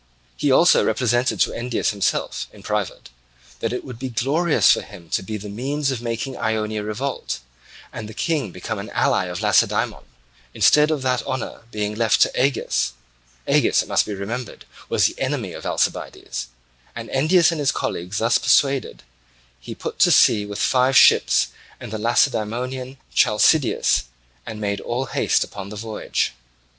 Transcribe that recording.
He also represented to Endius himself in private that it would be glorious for him to be the means of making Ionia revolt and the King become the ally of Lacedaemon, instead of that honour being left to Agis (Agis, it must be remembered, was the enemy of Alcibiades); and Endius and his colleagues thus persuaded, he put to sea with the five ships and the Lacedaemonian Chalcideus, and made all haste upon the voyage.